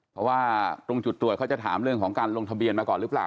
เพราะว่าตรงจุดตรวจเขาจะถามเรื่องของการลงทะเบียนมาก่อนหรือเปล่า